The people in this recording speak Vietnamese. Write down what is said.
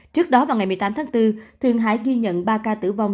trước đó vào ngày một mươi tám tháng bốn thuyền hải ghi nhận ba ca tử vong